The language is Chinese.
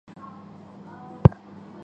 泰宁尚书墓的历史年代为明。